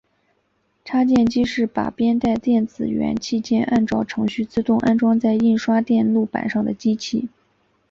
插件机是把编带电子元器件按照程序自动安装在印刷电路板上的机器。